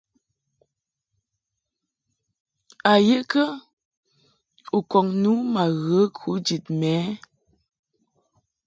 A ye kə u kɔŋ nu ma ghə kujid mɛ ɛ ?